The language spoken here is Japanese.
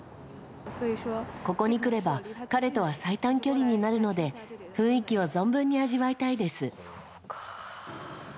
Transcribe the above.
ここに来れば、彼とは最短距離になるので、雰囲気を存分に味わいたいです。